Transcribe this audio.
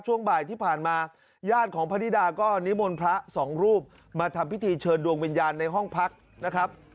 ช่วงบ่ายที่ผ่านมาญาติของพระนิดาก็นิมนต์พระสองรูปมาทำพิธีเชิญดวงวิญญาณในห้องพักนะครับ